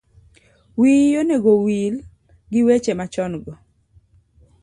Wiyi onego owil giweche machongo